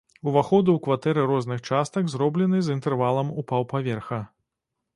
Уваходы ў кватэры розных частак зроблены з інтэрвалам у паўпаверха.